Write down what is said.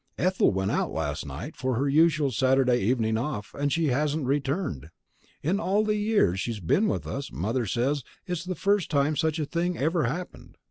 Ethel went out last night, for her usual Saturday evening off, and hasn't returned! In all the years she's been with us, Mother says, it's the first time such a thing ever happened.